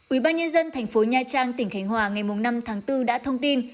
ubnd thành phố nha trang tỉnh khánh hòa ngày năm tháng bốn đã thông tin